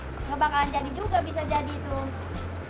nggak bakalan jadi juga bisa jadi tuh